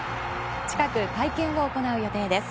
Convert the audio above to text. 近く会見を行う予定です。